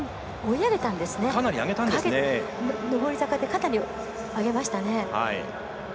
上り坂でかなり上げましたね。